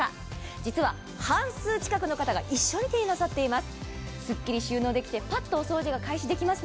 実は半数近くの方が一緒に手にしています。